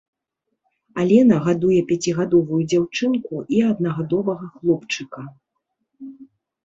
Алена гадуе пяцігадовую дзяўчынку і аднагадовага хлопчыка.